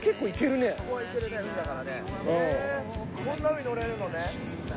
こんなのに乗れるのね。